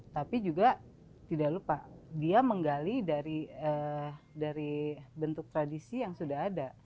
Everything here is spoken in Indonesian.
tapi juga tidak lupa dia menggali dari bentuk tradisi yang sudah ada